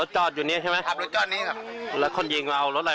โชคดีแล้วเฮ่ยมั้ย